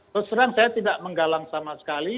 terus terang saya tidak menggalang sama sekali